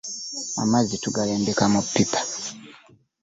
Amazzi tugalembeka mu ppipa.